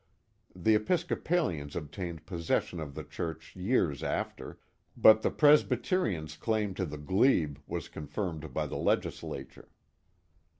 The Episco palians obtained possession of the church years after, but the Presbyterian's claim to the glebe was confirmed by the legis lature.